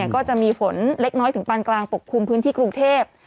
ก็จะมีฝนเล็กน้อยถึงปานกลางปกคลุมพื้นที่กรุงเทพ